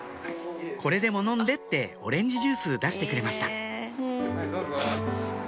「これでも飲んで」ってオレンジジュース出してくれました